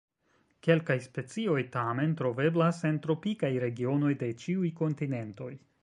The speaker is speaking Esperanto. Kelkaj specioj tamen troveblas en tropikaj regionoj de ĉiuj kontinentoj.